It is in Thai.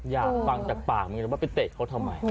อยากฟังจากปากมึงเลยว่าไปเตะเขาทำไม